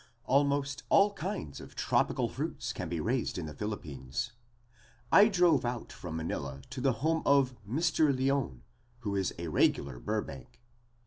Almost all kinds of tropical fruits can be raised in the Philippines. I drove out from Manila to the home of Mr. Lyon, who is a regular Burbank.